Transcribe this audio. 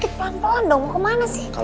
ntar pandang aja